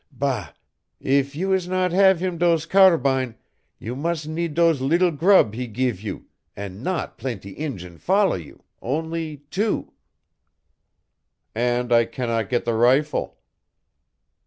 Bâ, eef you is not have heem dose carabine, you mus' need dose leetle grub he geev you, and not plaintee Injun follow you, onlee two." "And I cannot get the rifle."